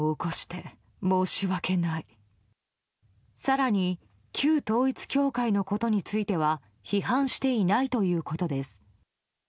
更に旧統一教会のことについては批判していないということです。